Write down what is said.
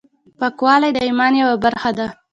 پاکوالی د ایمان یوه برخه ده.